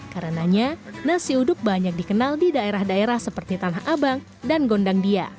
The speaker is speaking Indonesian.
karenanya nasi uduk banyak dikenal di daerah daerah seperti tanah abang dan gondang dia